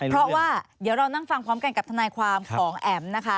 เพราะว่าเดี๋ยวเรานั่งฟังพร้อมกันกับทนายความของแอ๋มนะคะ